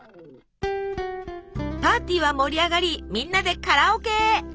パーティーは盛り上がりみんなでカラオケへ。